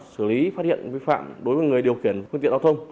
xử lý phát hiện vi phạm đối với người điều khiển phương tiện giao thông